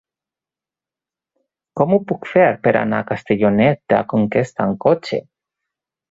Com ho puc fer per anar a Castellonet de la Conquesta amb cotxe?